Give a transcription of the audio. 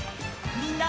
みんな！